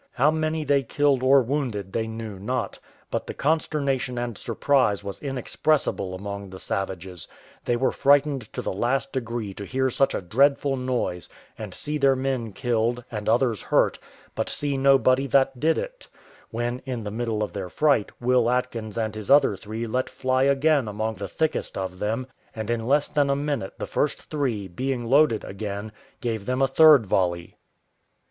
How many they killed or wounded they knew not, but the consternation and surprise was inexpressible among the savages; they were frightened to the last degree to hear such a dreadful noise, and see their men killed, and others hurt, but see nobody that did it; when, in the middle of their fright, Will Atkins and his other three let fly again among the thickest of them; and in less than a minute the first three, being loaded again, gave them a third volley.